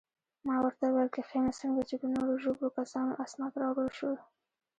ما ورته وویل: کښېنه، څنګه چې د نورو ژوبلو کسانو اسناد راوړل شول.